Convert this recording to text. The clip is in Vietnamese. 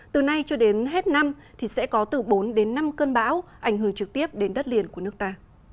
từ nay cho đến hết năm thì sẽ có từ bốn đến năm cơn bão ảnh hưởng trực tiếp đến đất liền của nước ta